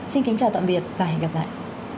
xin kính chào tạm biệt và hẹn gặp lại